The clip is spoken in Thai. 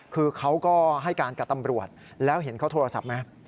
คือเขาก็ให้การกับตำรวจแล้วเห็นเขาโทรศัพท์ไหม